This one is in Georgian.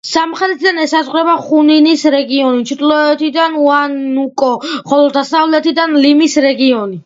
სამხრეთიდან ესაზღვრება ხუნინის რეგიონი, ჩრდილოეთიდან უანუკო, ხოლო დასავლეთიდან ლიმის რეგიონი.